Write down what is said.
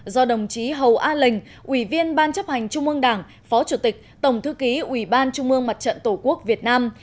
do đồng chí hầu a lình ủy viên ban chấp hành trung ương đảng phó chủ tịch tổng thư ký ủy ban trung ương mặt trận tổ quốc việt nam